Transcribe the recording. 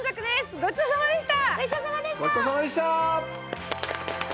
ごちそうさまでした！